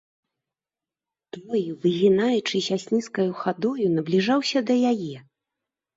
Той, выгінаючыся слізкай хадою, набліжаўся да яе.